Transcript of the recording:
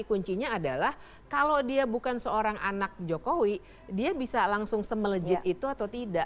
kuncinya adalah kalau dia bukan seorang anak jokowi dia bisa langsung semelejit itu atau tidak